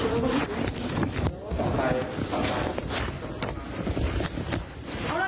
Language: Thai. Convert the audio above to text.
ไม่ด่วนมันคือเป็นไข้ถ่ายใจเร็วกับหน้า